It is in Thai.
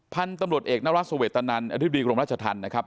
พันธุ์ตำรวจเอกนรัฐสเวตนันอธิบดีกรมราชธรรมนะครับ